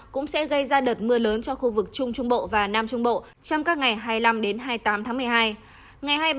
cũng sẽ gây ra đợt mưa lớn cho khu vực trung trung bộ và nam trung bộ trong các ngày hai mươi năm hai mươi tám tháng một mươi hai